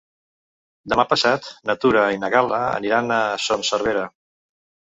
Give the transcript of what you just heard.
Demà passat na Tura i na Gal·la aniran a Son Servera.